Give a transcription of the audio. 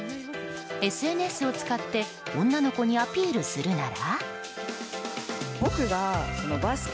ＳＮＳを使って女の子にアピールするなら？